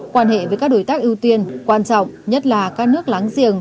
quan hệ với các đối tác ưu tiên quan trọng nhất là các nước láng giềng